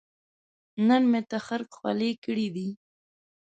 نن مې تخرګ خولې کړې دي